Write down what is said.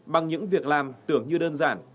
bằng những việc làm tưởng như đơn giản